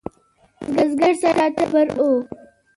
بزگر سره تبر و.